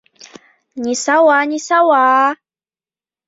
Нисауа, нисауа!